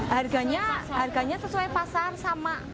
harganya sesuai pasar sama